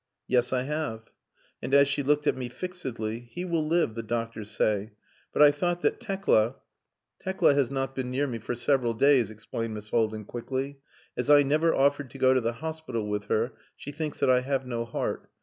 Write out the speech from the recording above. "Yes, I have." And as she looked at me fixedly, "He will live, the doctors say. But I thought that Tekla...." "Tekla has not been near me for several days," explained Miss Haldin quickly. "As I never offered to go to the hospital with her, she thinks that I have no heart.